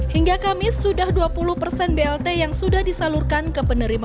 hingga kamis sudah dua puluh persen blt yang sudah disalurkan ke penerima